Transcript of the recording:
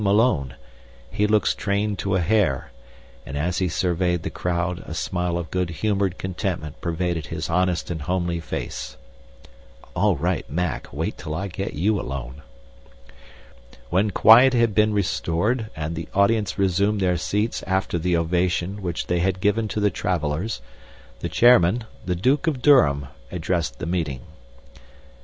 Malone, he looks trained to a hair, and as he surveyed the crowd a smile of good humored contentment pervaded his honest but homely face." (All right, Mac, wait till I get you alone!) "When quiet had been restored and the audience resumed their seats after the ovation which they had given to the travelers, the chairman, the Duke of Durham, addressed the meeting.